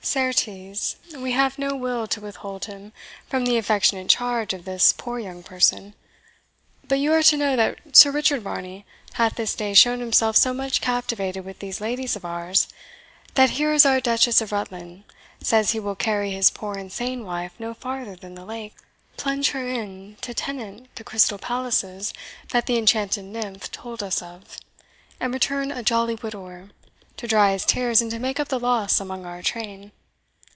Certes, we have no will to withhold him from the affectionate charge of this poor young person; but you are to know that Sir Richard Varney hath this day shown himself so much captivated with these ladies of ours, that here is our Duchess of Rutland says he will carry his poor insane wife no farther than the lake, plunge her in to tenant the crystal palaces that the enchanted nymph told us of, and return a jolly widower, to dry his tears and to make up the loss among our train.